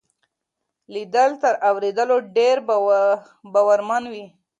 ليدل تر اورېدلو ډېر باورمن وي.